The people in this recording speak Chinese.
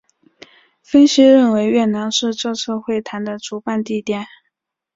分析认为越南是这次会谈的主办地点。